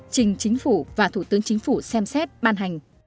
trình chính phủ và thủ tướng chính phủ xem xét ban hành